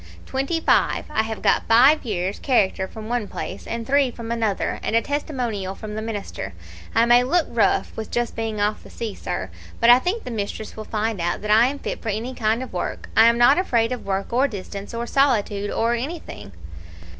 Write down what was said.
"'Twenty five. I have got five years' character from one place, and three from another, and a testimonial from the minister. I may look rough, with just being off the sea, sir, but I think the mistress will find out that I am fit for any kind of work. I am not afraid of work or distance, or solitude, or anything.'